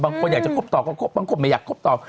บางคนอยากจะกบตอบก็กบบางคนไม่อยากกบตอบ